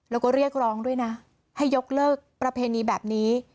แล้วก็เรียกร้องด้วยนะให้ยกเลิกประเพณีแบบนี้